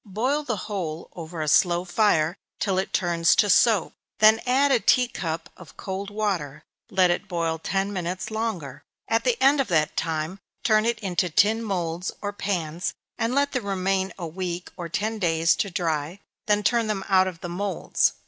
Boil the whole over a slow fire, till it turns to soap, then add a tea cup of cold water let it boil ten minutes longer at the end of that time turn it into tin moulds, or pans, and let them remain a week or ten days to dry, then turn them out of the moulds.